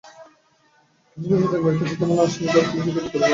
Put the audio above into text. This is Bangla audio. কক্সবাজারের টেকনাফে একটি হত্যা মামলার আসামিকে ধরে পুলিশের কাছে তুলে দিয়েছে জনতা।